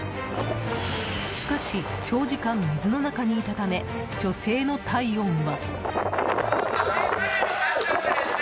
しかし、長時間水の中にいたため女性の体温は。